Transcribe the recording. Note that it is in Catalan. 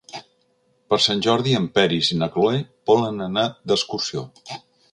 Per Sant Jordi en Peris i na Cloè volen anar d'excursió.